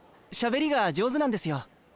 しゃべりが上手なんですよ。